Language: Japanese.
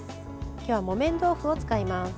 今日は木綿豆腐を使います。